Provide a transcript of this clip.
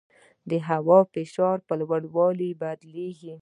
د هوا فشار په لوړوالي بدل کېږي.